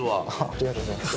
ありがとうございます。